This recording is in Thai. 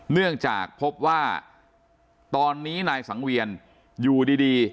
เนื่องจากพบว่าตอนนี้นายสังเวียนอยู่ดี